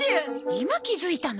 今気づいたの？